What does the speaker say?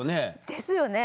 ですよね。